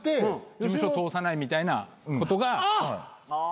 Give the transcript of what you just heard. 事務所通さないみたいなことがあるんで。